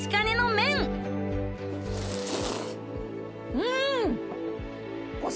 うん！